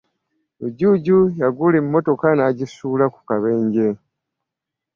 Lujuuju yagula emotoka najisuula ku Kabenje .